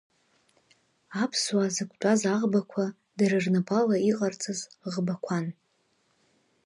Аԥсуаа зықәтәаз аӷбақәа дара рнапала иҟарҵаз ӷбақәан.